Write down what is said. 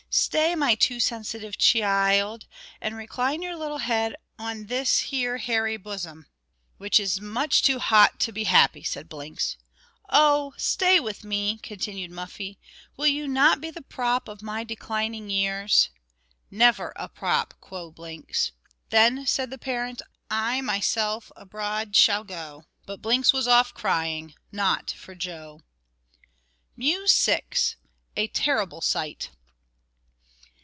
"Stay, my too sensitive chee ild, and recline your little head on this here hairy bosom." "Which is much too hot to be happy," said Blinks. "Oh! stay with me," continued Muffie. "Will you not be the prop of my declining years?" "Never a prop," quo' Blinks. "Then," said the parent, "I myself abroad shall go." But Blinks was off, crying, "Not for Joe." MEW VI. _A Terrible Sight.